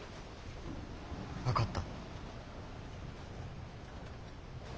分かった。